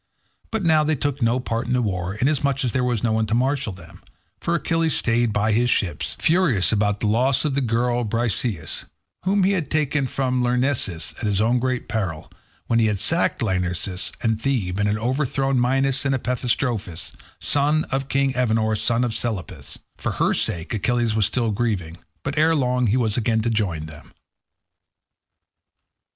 But they now took no part in the war, inasmuch as there was no one to marshal them; for Achilles stayed by his ships, furious about the loss of the girl Briseis, whom he had taken from Lyrnessus at his own great peril, when he had sacked Lyrnessus and Thebe, and had overthrown Mynes and Epistrophus, sons of king Evenor, son of Selepus. For her sake Achilles was still grieving, but ere long he was again to join them.